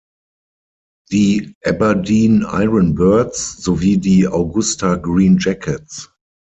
Die "Aberdeen Iron Birds" sowie die "Augusta Green Jackets".